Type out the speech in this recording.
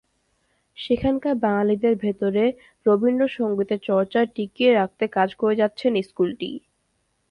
সেখানকার বাঙালিদের ভেতরে রবীন্দ্রসংগীতের চর্চা টিকিয়ে রাখতে কাজ করে যাচ্ছে স্কুলটি।